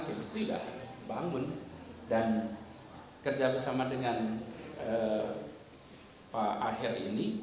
industri sudah bangun dan kerja bersama dengan pak aher ini